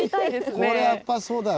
これはやっぱそうだよ。